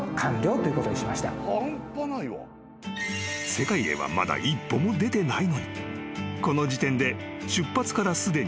［世界へはまだ一歩も出てないのにこの時点で出発からすでに１年］